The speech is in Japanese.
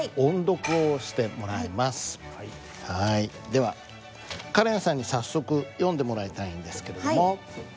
ではカレンさんに早速読んでもらいたいんですけれども。